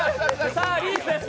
さあ、リーチです！